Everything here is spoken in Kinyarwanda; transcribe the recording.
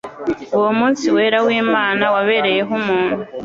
Uwo munsi wera w'Imana wabereyeho umuntu